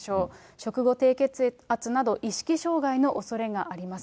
食後低血圧など、意識障害のおそれがあります。